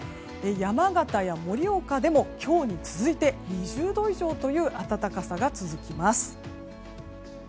山形や盛岡でも今日に続いて２０度以上という暖かさが続きます。